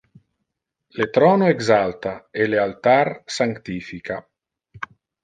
Le throno exalta e le altar sanctifica.